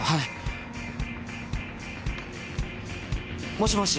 もしもし。